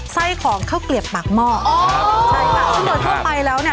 ไส้ของข้าวเกลียบปากหม้ออ๋อใช่ค่ะซึ่งโดยทั่วไปแล้วเนี่ย